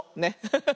ハハハハ。